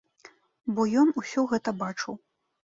Бо ён усё гэта бачыў.